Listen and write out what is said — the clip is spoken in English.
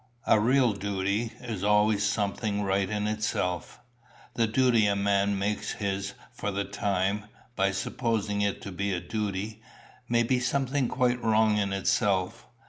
A real duty is always something right in itself. The duty a man makes his for the time, by supposing it to be a duty, may be something quite wrong in itself.